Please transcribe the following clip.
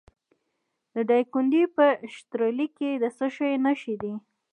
د دایکنډي په اشترلي کې د څه شي نښې دي؟